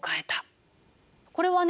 これはね